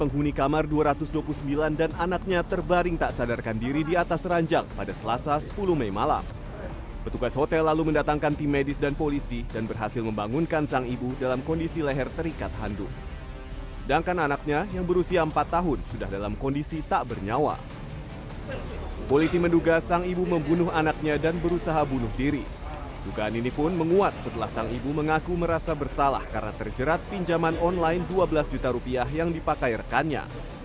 hal ini pun menguat setelah sang ibu mengaku merasa bersalah karena terjerat pinjaman online dua belas juta rupiah yang dipakai rekannya